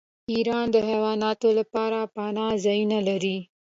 ایران د حیواناتو لپاره پناه ځایونه لري.